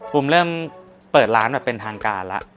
เริ่มเปิดร้านแบบเป็นทางการแล้ว